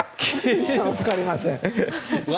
わかりません。